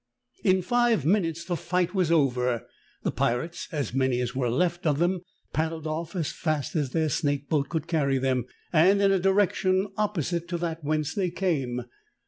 "In five minutes the fight was over. The pirates, as many as were left of them, paddled off as fast as their snake boat could carry them, and in a direction opposite to that whence they came.